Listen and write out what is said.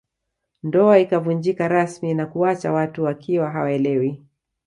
Ndoa ikavunjika rasmi na kuwaacha watu wakiwa hawaelewi